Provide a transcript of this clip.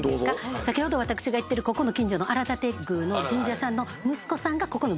先ほど私が言ってるここの近所の荒立宮の神社さんの息子さんがここの宮司さんやってます。